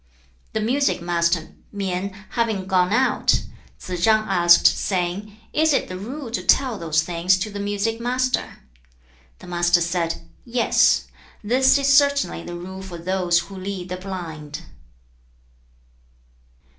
2. The Music master, Mien, having gone out, Tsze chang asked, saying. 'Is it the rule to tell those things to the Music master?' 3. The Master said, 'Yes. This is certainly the rule for those who lead the blind.'